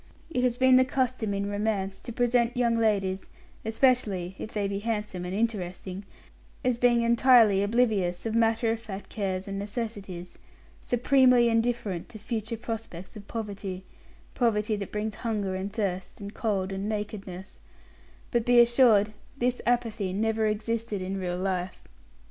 It has been the custom in romance to present young ladies, especially if they be handsome and interesting, as being entirely oblivious of matter of fact cares and necessities, supremely indifferent to future prospects of poverty poverty that brings hunger and thirst and cold and nakedness; but, be assured, this apathy never existed in real life.